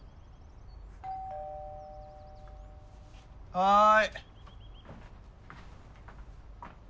はい。